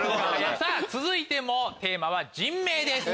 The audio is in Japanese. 続いてもテーマは人名です。